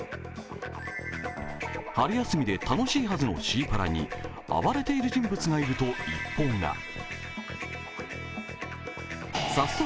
春休みで楽しいはずのシーパラに暴れている人物がいると一報が。